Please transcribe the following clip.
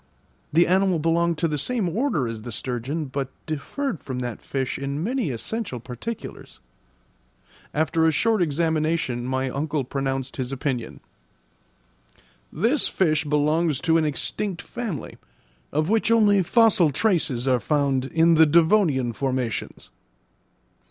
The animal belonged to the same order as the sturgeon, but differed from that fish in many essential particulars. After a short examination my uncle pronounced his opinion. "This fish belongs to an extinct family, of which only fossil traces are found in the devonian formations."